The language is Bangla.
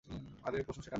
আরে প্রশ্ন সেটা না।